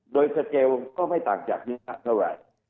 โดยสเกลก็ไม่ต่างจากเท่าไหร่